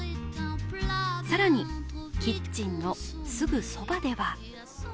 更に、キッチンのすぐそばでは。